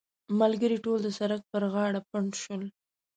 ملګري ټول د سړک پر غاړه پنډ شول.